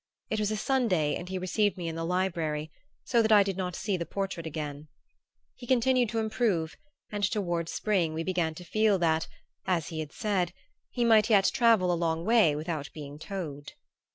It was a Sunday and he received me in the library, so that I did not see the portrait again. He continued to improve and toward spring we began to feel that, as he had said, he might yet travel a long way without being towed.